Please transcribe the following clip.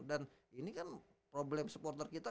dan ini kan problem supporter kita